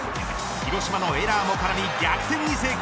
広島のエラーも絡み逆転に成功。